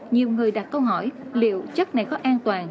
nhiều người đặt câu hỏi liệu chất này có an toàn